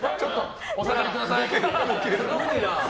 お下がりください。